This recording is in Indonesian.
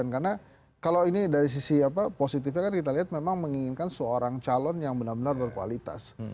karena kalau ini dari sisi positifnya kan kita lihat memang menginginkan seorang calon yang benar benar berkualitas